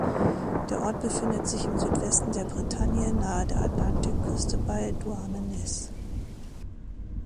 Der Ort befindet sich im Südwesten der Bretagne nahe der Atlantikküste bei Douarnenez.